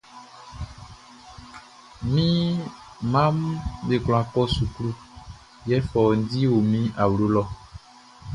Mi mmaʼm be kwla kɔ suklu, yɛ fɔundi o mi awlo lɔ.